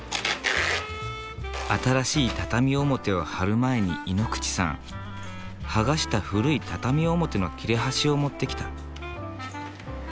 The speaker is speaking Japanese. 新しい畳表を張る前に井ノ口さん剥がした古い畳表の切れ端を持ってきた。